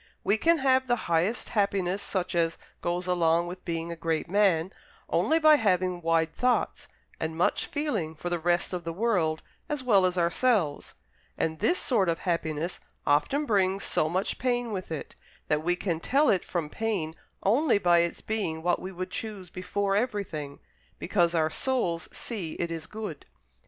We can have the highest happiness, such as goes along with being a great man, only by having wide thoughts, and much feeling for the rest of the world as well as ourselves; and this sort of happiness often brings so much pain with it, that we can tell it from pain only by its being what we would choose before everything, because our souls see it is good.